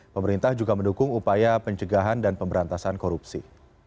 pemerintah juga mendukung upaya pencegahan dan pemberantasan korupsi